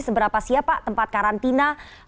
seberapa siapa tempat karantina